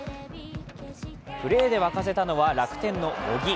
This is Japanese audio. プレーで沸かせたのは楽天の茂木。